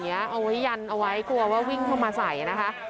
เอาไว้ยันเอาไว้กลัวว่าวิ่งเข้ามาใส่นะคะ